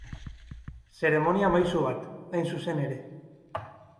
Zeremonia-maisu bat, hain zuzen ere.